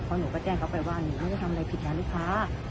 เพราะหนูก็แจ้งเขาไปว่าหนูไม่ได้ทำอะไรผิดนะลูกค้า